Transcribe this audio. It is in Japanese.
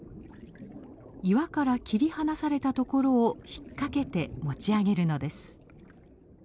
岩から切り離されたところを引っ掛けて持ち上げるのです。